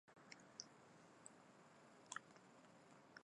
而他的姊姊是受到该校教授古川竹二的影响。